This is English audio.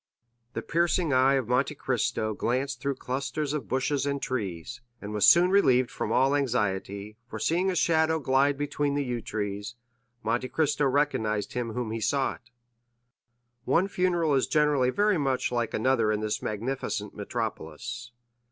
The piercing eye of Monte Cristo glanced through clusters of bushes and trees, and was soon relieved from all anxiety, for seeing a shadow glide between the yew trees, Monte Cristo recognized him whom he sought. One funeral is generally very much like another in this magnificent metropolis.